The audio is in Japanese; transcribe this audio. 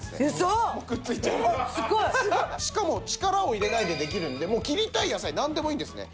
すごい！しかも力を入れないでできるのでもう切りたい野菜なんでもいいんですね。